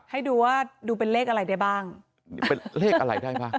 ให้ดูว่าดูเป็นเลขอะไรได้บ้างเป็นเลขอะไรได้บ้าง